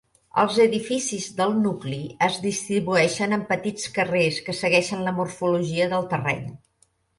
Els edificis del nucli es distribueixen en petits carrers que segueixen la morfologia del terreny.